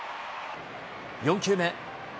４球目。